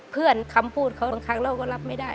คำพูดเขาบางครั้งเราก็รับไม่ได้